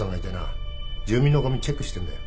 住民のごみチェックしてんだよ。